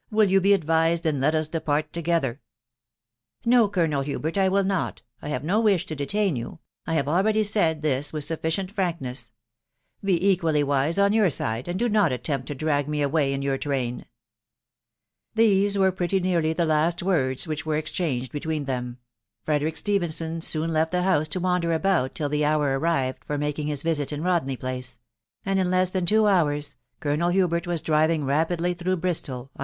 ... Will you be ad vised, and let us depart together ?"" No, Colonel Hubert, I will not. I have no wish to detain you, .... I have already said this with sufficient frankness ; be equally wise on your side, and do not attempt to drag me away in your train/9 These were pretty nearly the last words which were ex changed between them ; Frederick Stephenson soon left the house to wander about till the hour arrived for making his •visit in Rodney Place ; and in less than Vno Yvwa% Ca&ssb&. £66 THE WIDOW BARXABr. Hubert was driving rapidly through Bristol an.